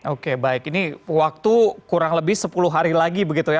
oke baik ini waktu kurang lebih sepuluh hari lagi begitu ya